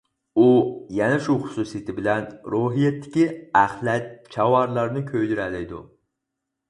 ئۇ يەنە شۇ خۇسۇسىيىتى بىلەن روھىيەتتىكى ئەخلەت-چاۋارلارنى كۆيدۈرەلەيدۇ.